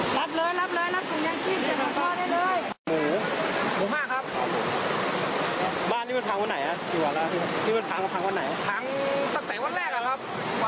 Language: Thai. ทั้ง๕สามวันถึงว่าละครับ